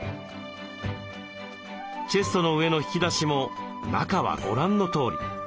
チェストの上の引き出しも中はご覧のとおり。